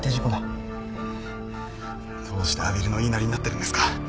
どうして阿比留の言いなりになってるんですか？